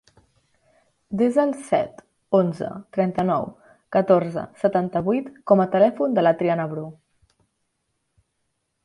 Desa el set, onze, trenta-nou, catorze, setanta-vuit com a telèfon de la Triana Bru.